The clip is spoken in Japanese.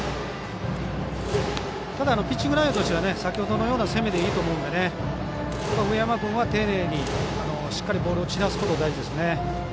ただ、ピッチングとしては先ほどのような攻めでいいと思うんで上山君は丁寧にしっかりボールを散らすことが大事ですね。